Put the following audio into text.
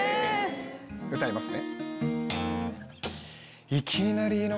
歌いますね。